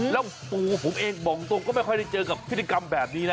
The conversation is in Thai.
แล้วตัวผมเองบอกตรงก็ไม่ค่อยได้เจอกับพฤติกรรมแบบนี้นะ